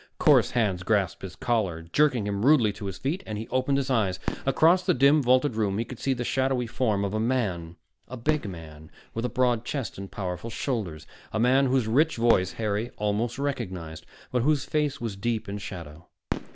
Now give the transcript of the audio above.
Coarse hands grasped his collar, jerking him rudely to his feet, and he opened his eyes. Across the dim, vaulted room he could see the shadowy form of a man, a big man, with a broad chest and powerful shoulders, a man whose rich voice Harry almost recognized, but whose face was deep in shadow.